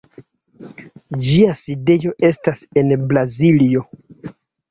Ĝia sidejo estas en Braziljo.